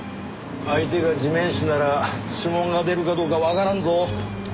相手が地面師なら指紋が出るかどうかわからんぞ。